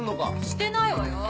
してないわよ！